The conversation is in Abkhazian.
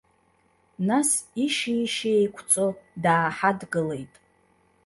Нас ишьи-ишьи еиқәҵо дааҳадгылеит.